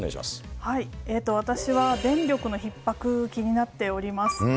私は電力のひっ迫、気になっております。